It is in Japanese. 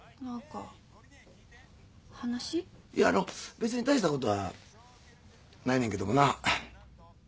別に大したことはないねんけどもな。